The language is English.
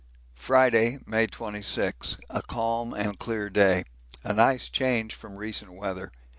Friday, May 26. A calm and clear day a nice change from recent weather.